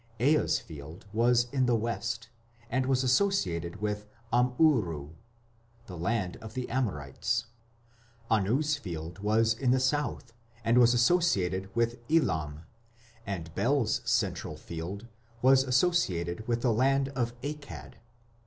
Ea's field was in the west, and was associated with Amurru, the land of the Amorites; Anu's field was in the south, and was associated with Elam; and Bel's central "field" was associated with the land of Akkad.